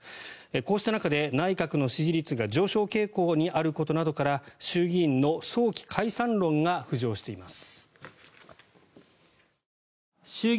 こうした中で内閣の支持率が上昇傾向にあることなどから衆議院の早期解散論が浮上しています。